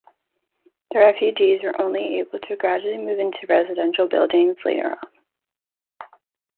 The refugees were only able to gradually move into residential buildings later on.